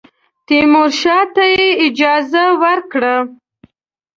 تیمورشاه ته یې اجازه ورکړه.